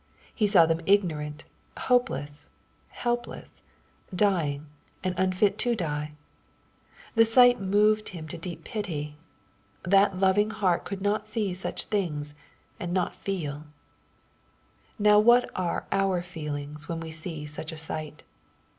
He saw them ignorant, hopeless, helpless, dying, and unfit to die. The sight moved Him KATTHEW^ CHAP. IX. 98 to deep pitj. That loving heart could not see such things^ and not feeL Now what are our feelings when we see such a sight